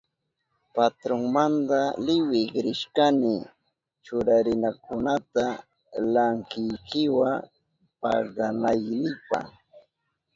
Patronmanta liwik rishkani churarinakunata lankwikiwa paganaynipa.